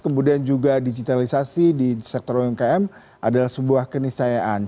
kemudian juga digitalisasi di sektor umkm adalah sebuah kenisayaan